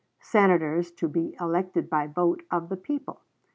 Senators to be elected by vote of the people.